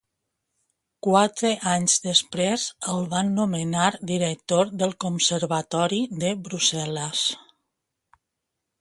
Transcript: Quatre anys després, el van nomenar director del conservatori de Brussel·les.